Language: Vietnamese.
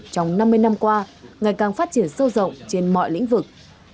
trong năm mươi năm qua ngày càng phát triển sâu rộng trên mọi lĩnh vực